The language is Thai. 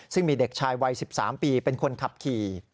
ซึ่งมีเด็กชายวัย๑๓ปีเป็นคนขับขี่